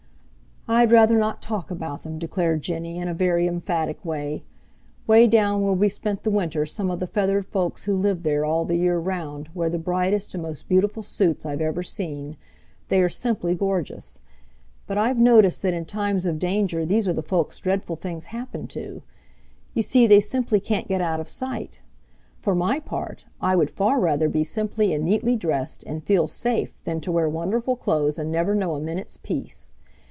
"I'd rather not talk about them," declared Jenny in a very emphatic way. "'Way down where we spent the winter some of the feathered folks who live there all the year round wear the brightest and most beautiful suits I've ever seen. They are simply gorgeous. But I've noticed that in times of danger these are the folks dreadful things happen to. You see they simply can't get out of sight. For my part I would far rather be simply and neatly dressed and feel safe than to wear wonderful clothes and never know a minute's peace.